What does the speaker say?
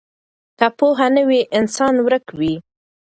که پوهه نه وي انسان ورک وي.